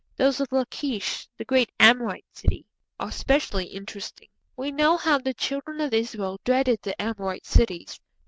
Those of Lachish, the great Amorite city, are specially interesting. We know how the Children of Israel dreaded the Amorite cities.